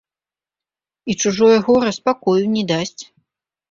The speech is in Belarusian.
І чужое гора спакою не дасць.